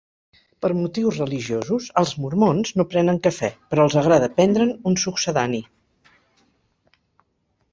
Per motius religiosos els Mormons, no prenen cafè però els agrada prendre'n un succedani.